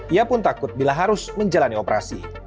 ia pun takut bila harus menjalani operasi